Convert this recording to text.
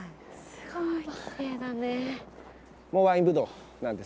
すごい。